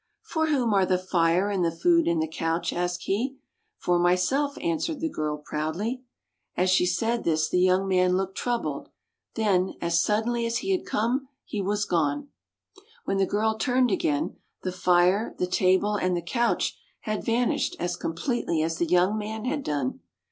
" For whom are the fire, and the food, and the couch?" asked he. " For myself," answered the girl proudly. As she said this the young man looked troubled, then — as suddenly as he had come — he was gone. When the girl turned again, the fire, the table, and the couch had vanished as com pletely as the young man had done.